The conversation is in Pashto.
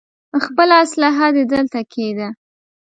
خپله اسلاحه دې دلته کېږده.